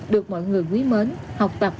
được mọi người quý mến học tập